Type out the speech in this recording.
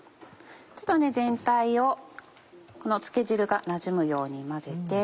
全体をこの漬け汁がなじむように混ぜて。